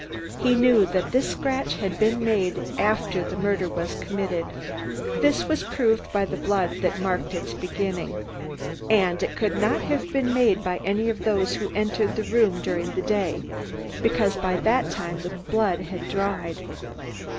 He knew that this scratch had been made after the murder was committed; this was proved by the blood that marked its beginning. And it could not have been made by any of those who entered the room during the day because by that time the blood had dried.